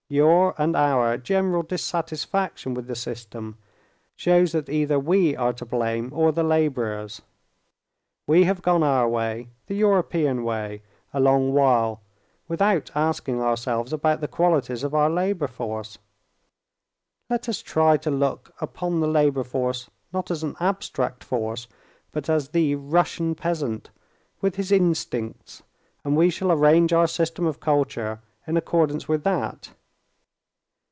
Your and our general dissatisfaction with the system shows that either we are to blame or the laborers. We have gone our way—the European way—a long while, without asking ourselves about the qualities of our labor force. Let us try to look upon the labor force not as an abstract force, but as the Russian peasant with his instincts, and we shall arrange our system of culture in accordance with that.